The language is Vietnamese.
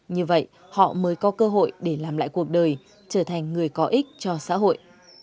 như vậy họ mới có cơ hội để làm lại cuộc đời trở thành người có ích cho xã hội